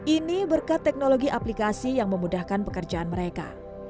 ini berkat teknologi aplikasi yang memudahkan pekerjaan mereka